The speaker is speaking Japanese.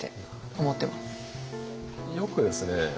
よくですね